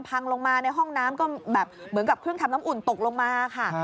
พังลงมาในห้องน้ำก็แบบเหมือนกับเครื่องทำน้ำอุ่นตกลงมาค่ะ